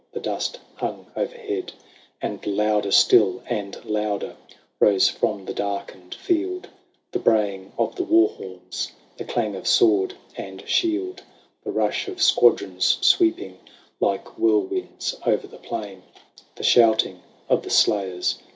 The dust hung overhead ; And louder still and louder Rose from the darkened field The braying of the war horns. The clang of sword and shield. The rush of squadrons sweeping Like whirlwinds o'er the plain, The shouting of the slayers.